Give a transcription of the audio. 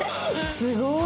すごい！